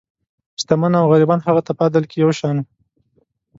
شتمن او غریبان هغه ته په عدل کې یو شان وو.